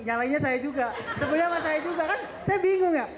yang lainnya saya juga sebenarnya sama saya juga kan saya bingung ya